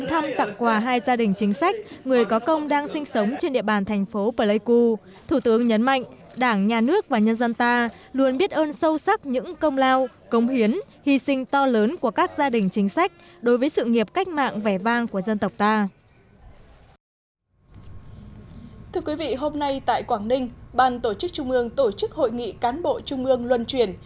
thưa quý vị hôm nay tại quảng ninh ban tổ chức trung ương tổ chức hội nghị cán bộ trung ương luân truyền